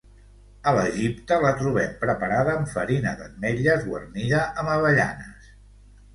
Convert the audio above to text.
A l'Egipte, la trobem preparada amb farina d'ametlles guarnida amb avellanes.